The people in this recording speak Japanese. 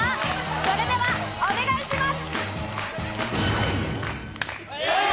それではお願いします。